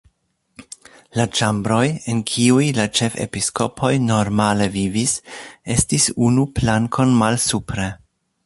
La ĉambroj en kiuj la ĉefepiskopoj normale vivis estis unu plankon malsupre.